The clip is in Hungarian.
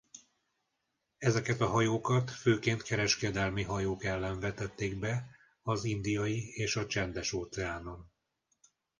Ezeket a hajókat főként kereskedelmi hajók ellen vetették be az Indiai- és a Csendes-óceánon.